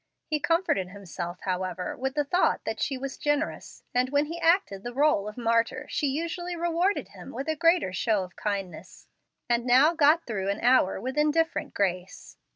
He comforted himself, however, with the thought that she was generous, and when he acted the role of martyr she usually rewarded him with a greater show of kindness, and no got through an hour with indifferent grace.